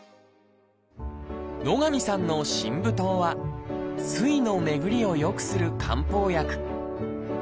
野上さんの真武湯は水の巡りをよくする漢方薬。